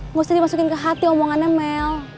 mesti dimasukin ke hati omongannya mel